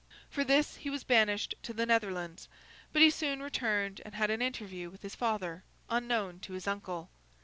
For this, he was banished to the Netherlands; but he soon returned and had an interview with his father, unknown to his uncle.